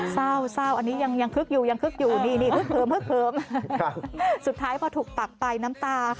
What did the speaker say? เศร้าอันนี้ยังคึกอยู่นี่เพิ่ม